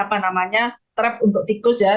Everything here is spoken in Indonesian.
apa namanya trap untuk tikus ya